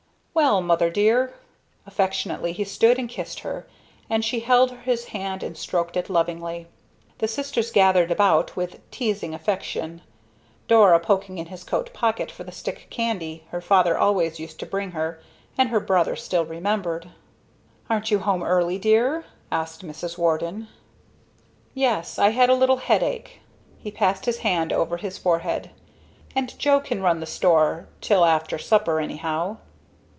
"Well, mother, dear!" Affectionately he stooped and kissed her, and she held his hand and stroked it lovingly. The sisters gathered about with teasing affection, Dora poking in his coat pocket for the stick candy her father always used to bring her, and her brother still remembered. "Aren't you home early, dear?" asked Mrs. Warden. "Yes; I had a little headache" he passed his hand over his forehead "and Joe can run the store till after supper, anyhow."